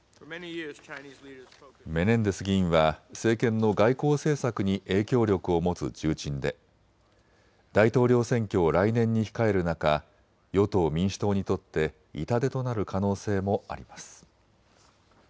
メネンデス議員は政権の外交政策に影響力を持つ重鎮で大統領選挙を来年に控える中、与党・民主党にとって痛手となる可能性もあります。